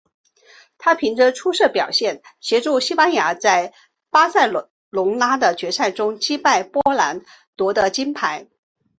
他凭着出色表现协助西班牙在巴塞隆拿的决赛中击败波兰夺得金牌。